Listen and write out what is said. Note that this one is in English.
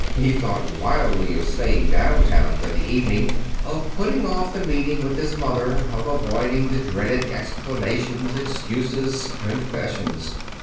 He thought wildly of staying down town for the evening, of putting off the meeting with his mother, of avoiding the dreaded explanations, excuses, confessions.